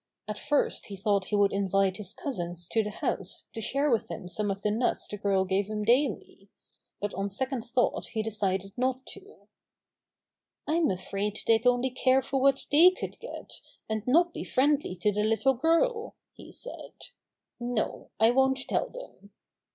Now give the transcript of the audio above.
At first he thought he would invite 49 50 Bobby Gray Squirrel's Adventures his cousins to the house to share with him some of the nuts the girl gave him daily; but on sec ond thought he decided not to. "I'm afraid they'd only care for v^hat they could get, and not be friendly to the little girl," he said. "No, I won't tell them."